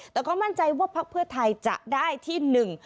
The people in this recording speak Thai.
แต่ก็มั่นใจว่าพักเพื่อไทยจะได้ที่หนึ่ง